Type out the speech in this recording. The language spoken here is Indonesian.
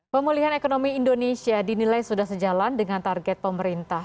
pemulihan ekonomi indonesia dinilai sudah sejalan dengan target pemerintah